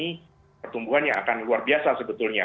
ini pertumbuhan yang akan luar biasa sebetulnya